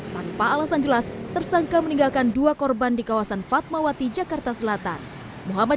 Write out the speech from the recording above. tanpa alasan jelas tersangka meninggalkan dua korban di kawasan fatmawati jakarta selatan muhammad